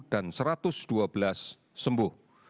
dan satu ratus dua belas sembuh